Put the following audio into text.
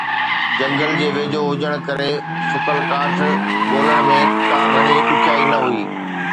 جنگل جي ويجهو هجڻ ڪري سڪل ڪاٺ ڳولڻ ۾ ڪا گهڻي ڏکيائي نه هئي